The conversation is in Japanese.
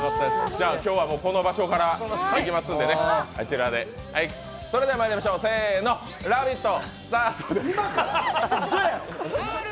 じゃあ、今日は、この場所からいきますんでね、それではまいりましょう、「ラヴィット！」